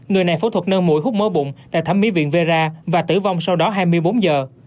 người này phẫu thuật nâng mũi hút mỡ bụng tại thẩm mỹ viện vea và tử vong sau đó hai mươi bốn giờ